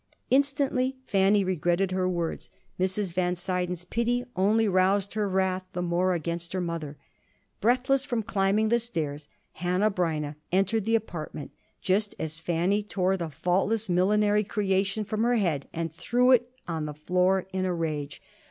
Instantly Fanny regretted her words. Mrs. Van Suyden's pity only roused her wrath the more against her mother. Breathless from climbing the stairs, Hanneh Breineh entered the apartment just as Fanny tore the faultless millinery creation from her head and threw it on the floor in a rage.